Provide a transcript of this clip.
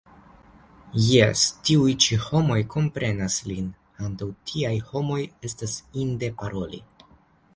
Jes, tiuj ĉi homoj komprenas lin, antaŭ tiaj homoj estas inde paroli.